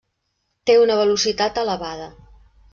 Té una velocitat elevada.